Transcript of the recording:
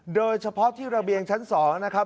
โดยเฉพาะที่ระเบียงชั้น๒นะครับ